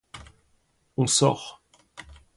On sort.